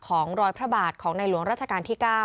รอยพระบาทของในหลวงราชการที่๙